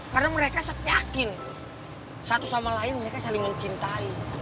karena mereka sepiyakin satu sama lain mereka saling mencintai